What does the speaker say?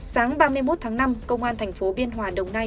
sáng ba mươi một tháng năm công an thành phố biên hòa đồng nai